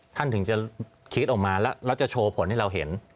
ถึงจะคิดออกมาแล้วจะโชว์ผลให้เราเห็น